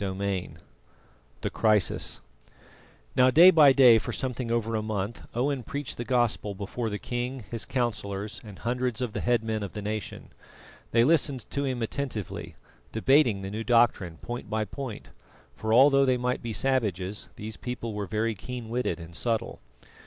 CHAPTER IX THE CRISIS Now, day by day for something over a month Owen preached the Gospel before the king, his councillors, and hundreds of the head men of the nation. They listened to him attentively, debating the new doctrine point by point; for although they might be savages, these people were very keen witted and subtle.